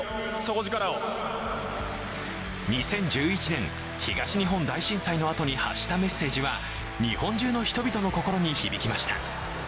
２０１１年、東日本大震災のあとに発したメッセージは日本中の人々の心に響きました。